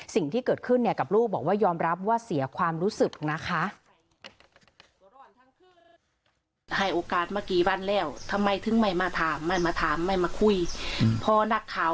สิ่งที่เกิดขึ้นเนี่ยกับลูกบอกว่ายอมรับว่าเสียความรู้สึกนะคะ